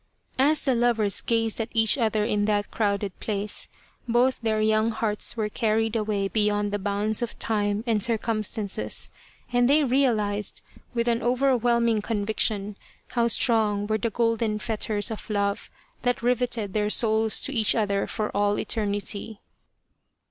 As the lovers gazed at each other in that crowded place, both their young hearts were carried away be yond the bounds of time and circumstances, and they realized, with an overwhelming conviction, how strong were the golden fetters of love that riveted their souls to each other for all eternity.